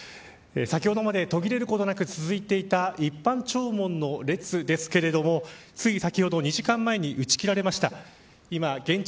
先ほどまで途切れることなく続いていた一般弔問の列ですけれどもつい先ほど２時間前に打ち切られました。